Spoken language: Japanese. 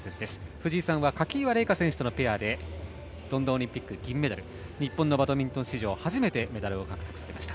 藤井さんは垣岩令佳選手とのペアでロンドンオリンピック銀メダル日本のバドミントン史上初めてメダルを獲得されました。